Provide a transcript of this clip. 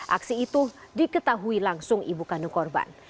aksi itu diketahui langsung ibu kandung korban